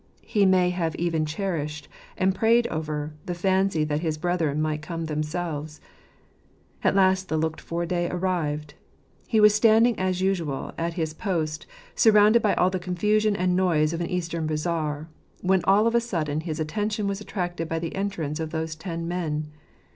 He may have even cherished, and prayed over, the fancy that his brethren might come themselves. At last the looked for day arrived. He was standing as usual at his post, surrounded by all the confusion and noise of an Eastern bazaar, when all of a sudden his attention was attracted by the entrance of those ten men.